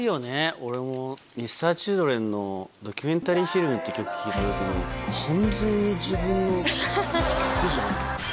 俺もＭｒ．Ｃｈｉｌｄｒｅｎのドキュメンタリーフィルムっていう曲聴いたときに、完全に自分の曲じゃん。